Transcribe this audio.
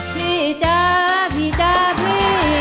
พี่จ๊ะพี่จ้าพี่